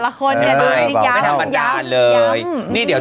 พยายามประมาณอีกหลายหลายคนนี่ดีดียัง